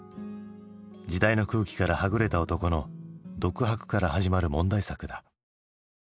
時代の空気からはぐれた男の独白から始まる問題作だ。